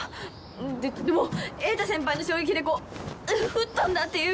ででも瑛太先輩の衝撃でこう吹っ飛んだっていうか。